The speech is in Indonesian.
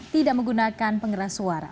tidak menggunakan penggeras suara